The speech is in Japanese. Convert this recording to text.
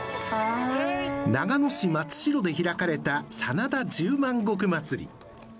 長野市松代で開かれた真田十万石まつり。